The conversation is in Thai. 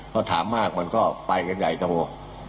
พอถามมากมันก็ไปกันใหญ่โต